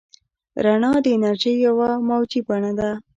رڼا د انرژۍ یوه موجي بڼه ده.